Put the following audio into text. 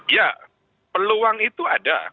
ya peluang itu ada